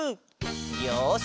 よし！